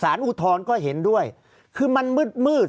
ภารกิจสรรค์ภารกิจสรรค์